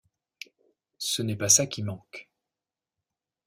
Ce n'est pas ça qui manque.